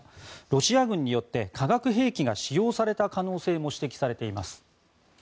ロシア軍によって化学兵器が使用された可能性も指摘されています。